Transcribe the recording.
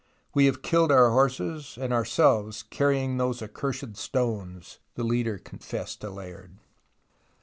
We have killed our horses and ourselves carrying those accursed stones," the leader confessed to Layard.